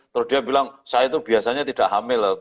terus dia bilang saya itu biasanya tidak hamil